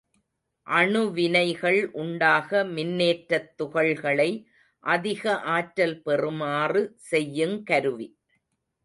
அணுவினைகள் உண்டாக மின்னேற்றத் துகள்களை அதிக ஆற்றல் பெறுமாறு செய்யுங் கருவி.